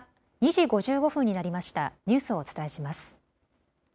２時５５分になりました、ニュースをお伝えします。